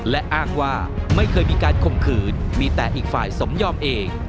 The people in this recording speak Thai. และอ้างว่าไม่เคยมีการข่มขืนมีแต่อีกฝ่ายสมยอมเอง